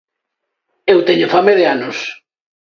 Eu teño fame de anos.